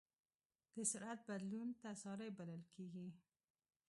د سرعت بدلون تسارع بلل کېږي.